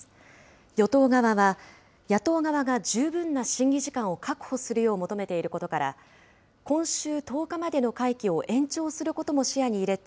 与党側は、野党側が十分な審議時間を確保するよう求めていることから、今週１０日までの会期を延長することも視野に入れて、